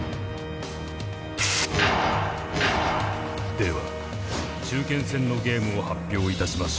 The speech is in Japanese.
では中堅戦のゲームを発表いたしましょう。